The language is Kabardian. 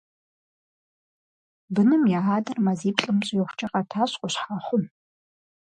Быным я адэр мазиплӀым щӀигъукӀэ къэтащ Къущхьэхъум.